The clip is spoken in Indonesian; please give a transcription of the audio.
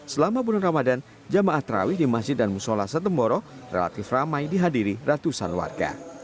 selama bulan ramadhan jamaat terawih di masjid dan musholah setembaro relatif ramai dihadiri ratusan warga